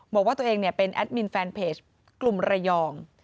บอกว่าตัวเองเป็นแอดมินแฟนเพจกลุ่มระยอง